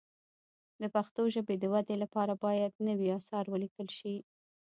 د پښتو ژبې د ودې لپاره باید نوي اثار ولیکل شي.